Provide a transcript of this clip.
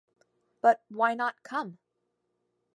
But why not come?